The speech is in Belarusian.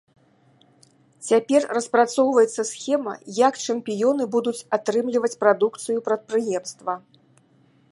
Цяпер распрацоўваецца схема, як чэмпіёны будуць атрымліваць прадукцыю прадпрыемства.